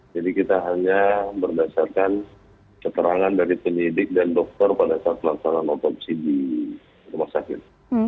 jadi kita hanya berdasarkan keterangan dari penyidik dan dokter pada saat laksanakan autopsi di rumah sakit